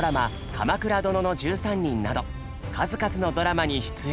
「鎌倉殿の１３人」など数々のドラマに出演。